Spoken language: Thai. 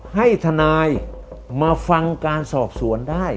ให้ทนายมาฟังการสอบสวนได้